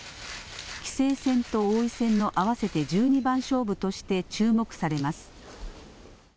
棋聖戦と王位戦の合わせて十二番勝負として注目されます。